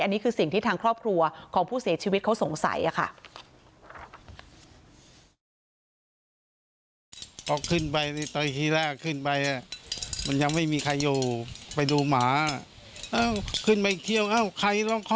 อันนี้คือสิ่งที่ทางครอบครัวของผู้เสียชีวิตเขาสงสัยค่ะ